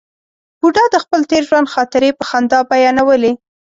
بوډا د خپل تېر ژوند خاطرې په خندا بیانولې.